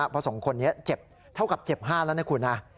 เพราะ๒คนนี้เจ็บเท่ากับเจ็บ๕แล้วนะคุณนะ